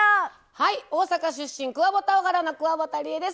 はい大阪出身クワバタオハラのくわばたりえです。